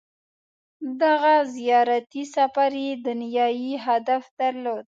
• دغه زیارتي سفر یې دنیايي هدف درلود.